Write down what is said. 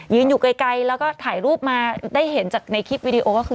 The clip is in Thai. อยู่ไกลแล้วก็ถ่ายรูปมาได้เห็นจากในคลิปวิดีโอก็คือ